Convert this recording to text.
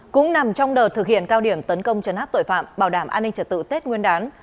cũng nằm trong đợt thực hiện cao điểm tấn công chấn áp tội phạm bảo đảm an ninh trật tự tết nguyên đán